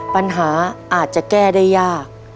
ปัญหาอาจจะแก้ได้ยาก